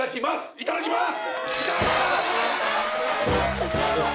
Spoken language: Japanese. いただきます！